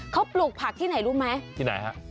เขาปลูกผักที่ไหนรู้ไหมที่ไหนฮะ